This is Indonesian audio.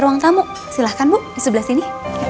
ruang tamu silahkan bu di sebelah sini